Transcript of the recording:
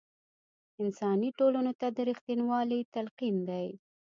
انساني ټولنو ته د رښتینوالۍ تلقین دی.